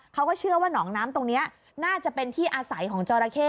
เขาก็เชื่อว่าหนองน้ำตรงนี้น่าจะเป็นที่อาศัยของจอราเข้